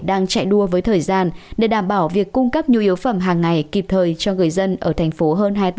đang chạy đua với thời gian để đảm bảo việc cung cấp nhu yếu phẩm hàng ngày kịp thời